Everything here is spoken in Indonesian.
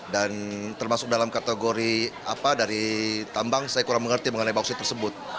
dan termasuk dalam kategori apa dari tambang saya kurang mengerti mengenai bauksit tersebut